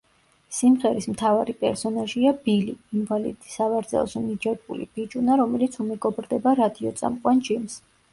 სიმღერის მთავარი პერსონაჟია ბილი, ინვალიდის სავარძელზე მიჯაჭვული ბიჭუნა, რომელიც უმეგობრდება რადიოწამყვან ჯიმს.